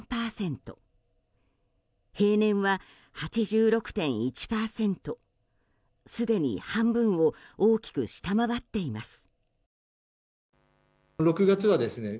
平年は８６．１％すでに半分を大きく下回っています。